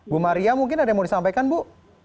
bu maria mungkin ada yang mau disampaikan bu